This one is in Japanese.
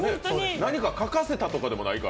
何か書かせたとかでもないから。